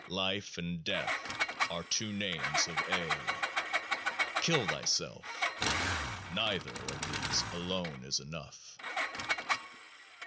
Life and Death are two names of A. Kill thyself. Neither of these alone is enough.